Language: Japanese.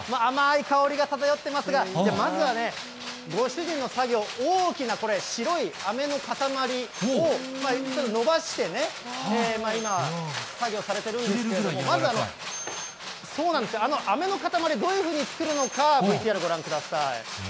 い香りが漂ってますが、まずはね、ご主人の作業、大きなこれ、白いあめの塊を伸ばしてね、今、作業されてるんですけれども、まずはあめの塊、どういうふうに作るのか、ＶＴＲご覧ください。